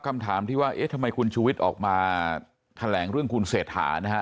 คำถามที่ว่าเอ๊ะทำไมคุณชูวิทย์ออกมาแถลงเรื่องคุณเศรษฐานะฮะ